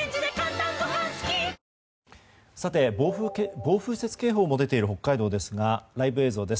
暴風雪警報も出ている北海道ですがライブ映像です。